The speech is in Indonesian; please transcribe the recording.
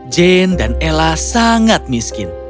jane dan ella sangat miskin